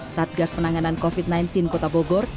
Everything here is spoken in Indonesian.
satgas penanganan covid sembilan belas kota bogor